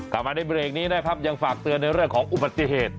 กลับมาในเบรกนี้นะครับยังฝากเตือนในเรื่องของอุบัติเหตุ